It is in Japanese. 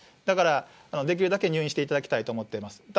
だからできるだけ入院していただきたいと思っています。